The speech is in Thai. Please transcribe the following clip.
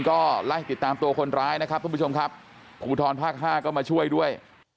ก็ไล่ติดตามตัวคนร้ายนะครับทุกผู้ชมครับภูทรภาคห้าก็มาช่วยด้วย